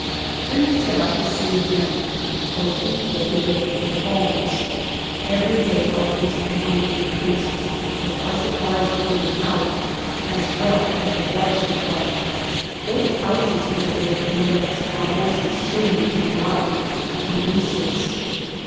Then we set out to sea again, coast ing towards the River of Palms. 19 Every day our thirst and hunger increased be cause our supplies were giving out, as well as the water supply, for the pouches we had made from the legs of our horses soon became rotten and useless.